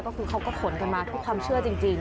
ก็คือเขาก็ขนกันมาทุกความเชื่อจริง